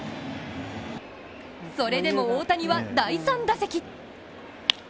それでも大谷は第３打席。